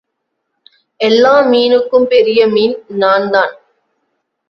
எல்லா மீனுக்கும் பெரிய மீன் நான்தான்.